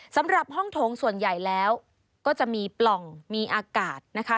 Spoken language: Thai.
สำหรับห้องโถงส่วนใหญ่แล้วก็จะมีปล่องมีอากาศนะคะ